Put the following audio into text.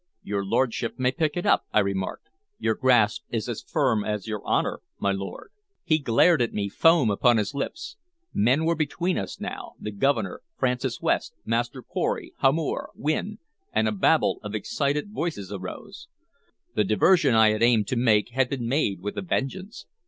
"Your lordship may pick it up," I remarked. "Your grasp is as firm as your honor, my lord." He glared at me, foam upon his lips. Men were between us now, the Governor, Francis West, Master Pory, Hamor, Wynne, and a babel of excited voices arose. The diversion I had aimed to make had been made with a vengeance.